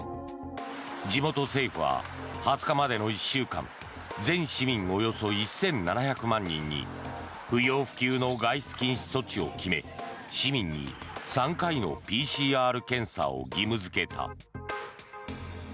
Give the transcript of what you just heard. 地元政府は２０日までの１週間全市民およそ１７００万人に不要不急の外出禁止措置を決め市民に３回のＰＣＲ検査を義務付けた。